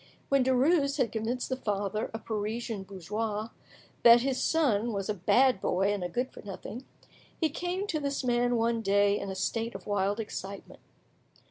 When Derues had convinced the father, a Parisian bourgeois, that his son was a bad boy and a good for nothing, he came to this man one day in a state of wild excitement.